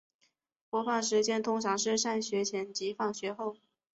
播放时间通常是上学前及放学后。